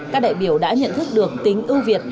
các đại biểu đã nhận thức được tính ưu việt